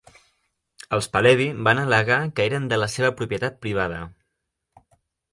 Els Pahlevi van al·legar que eren de la seva propietat privada.